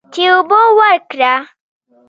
چې اوبه ورکړه.